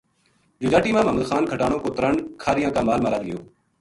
جوجاٹی ما محمد خان کھٹانو کو ترنڈ کھاہریاں کا مال ما رَل گیو